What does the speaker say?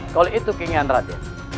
kalau itu keinginan raden